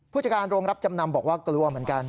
ผู้จัดการโรงรับจำนำบอกว่ากลัวเหมือนกัน